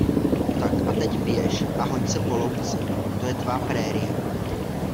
Tak, a teď běž a hoň se po louce, to je tvá prérie.